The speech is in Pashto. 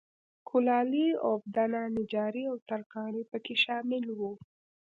کولالي، اوبدنه، نجاري او ترکاڼي په کې شامل وو